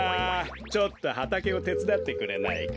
ちょっとはたけをてつだってくれないか？